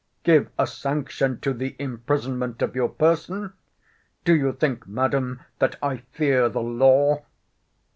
Give a sanction to the imprisonment of your person! Do you think, Madam, that I fear the law?